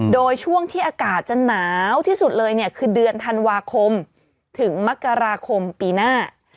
โดยช่วงที่อากาศจะหนาวที่สุดเลยเนี่ยคือเดือนธันวาคมถึงมกราคมปีหน้า